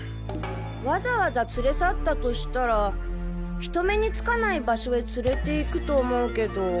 わざわざ連れ去ったとしたら人目につかない場所へ連れて行くと思うけど。